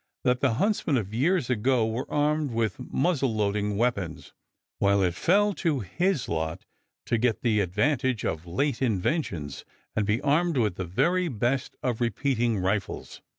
that the huntsmen of years ago were armed with muzzle loading weapons, while it fell to his lot to get the advantage of late inventions and be armed with the very best of repeating rifles.